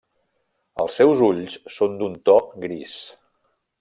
Els seus ulls són d'un to gris.